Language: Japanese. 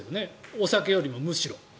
お酒よりもむしろ。